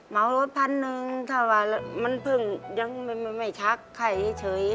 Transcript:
เมารถพันหนึ่งถ้าว่ามันเพิ่งยังไม่ชักไข่เฉย